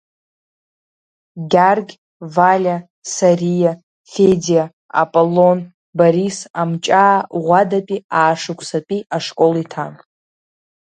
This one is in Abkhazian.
Гьаргь, Валиа, Сариа, Федиа, Аполлон, Борис Амҷаа Ӷәадатәи аашықәсатәи ашкол иҭан.